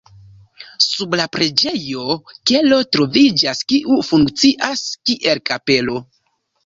Sub la preĝejo kelo troviĝas, kiu funkcias, kiel kapelo.